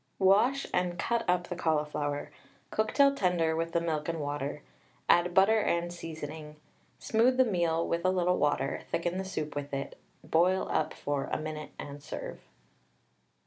Wash and cut up the cauliflower, cook till tender with the milk and water, add butter and seasoning; smooth the meal with a little water, thicken the soup with it, boil up for a minute and serve.